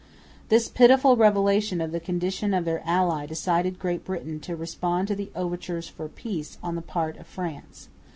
This pitiful revelation of the condition of their ally decided Great Britain to respond to the overtures for peace on the part of France.